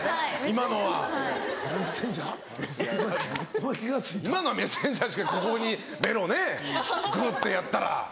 今のはメッセンジャーしかここにベロねクッてやったら。